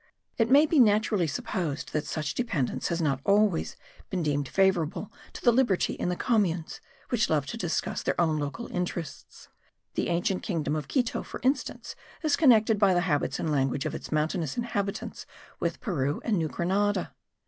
It may be naturally supposed that such dependence has not always been deemed favourable to the liberty if the communes, which love to discuss their own local interests. The ancient kingdom of Quito, for instance, is connected by the habits and language of its mountainous inhabitants with Peru and New Grenada.